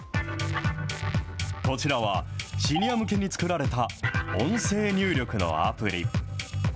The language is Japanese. こちらは、シニア向けに作られた音声入力のアプリ。